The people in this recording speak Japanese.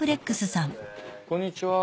こんにちは。